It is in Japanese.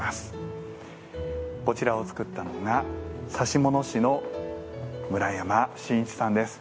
こちらを作ったのが指物師の村山伸一さんです。